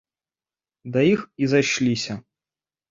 Да іх і зайшліся.